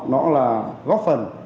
nó là góp phần